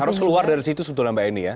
harus keluar dari situ sebetulnya mbak eni ya